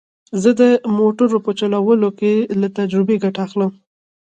زه د موټرو په جوړولو کې له تجربې ګټه اخلم